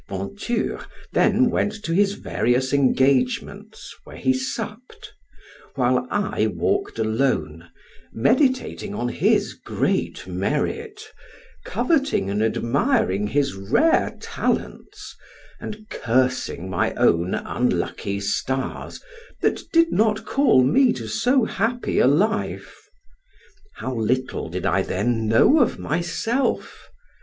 Venture then went to his various engagements, where he supped, while I walked alone, meditating on his great merit, coveting and admiring his rare talents, and cursing my own unlucky stars, that did not call me to so happy a life. How little did I then know of myself!